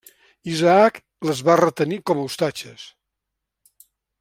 Isaac les va retenir com a ostatges.